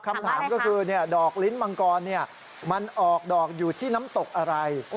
คำถามก็คือดอกลิ้นมังกรมันออกดอกอยู่ที่น้ำตกอะไร